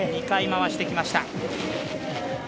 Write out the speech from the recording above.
２回、回してきました。